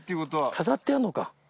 飾ってあるのか。